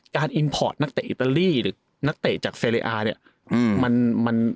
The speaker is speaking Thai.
อิมพอร์ตนักเตะอิตาลีหรือนักเตะจากเซเลอาเนี่ย